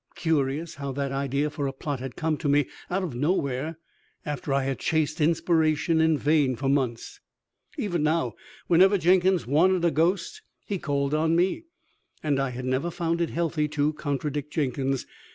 Curious how that idea for a plot had come to me out of nowhere after I had chased inspiration in vain for months! Even now whenever Jenkins wanted a ghost, he called on me. And I had never found it healthy to contradict Jenkins.